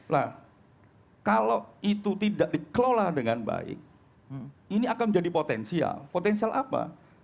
nah kalau itu tidak dikelola dengan baik ini akan menjadi potensial potensial apa